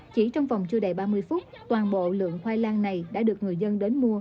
chỉ trong vòng chưa đầy ba mươi phút toàn bộ lượng khoai lang này đã được người dân đến mua